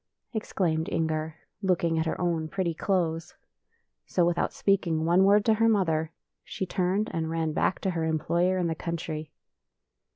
exclaimed Inger, looking at her own pretty clothes. So, with out speaking one word to her mother, she turned and ran back to her employer in the country.